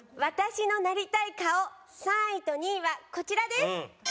私のなりたい顔３位と２位はこちらです。